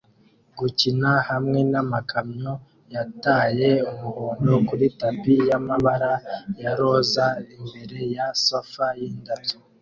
gukina hamwe namakamyo yataye umuhondo kuri tapi yamabara ya roza imbere ya sofa yindabyo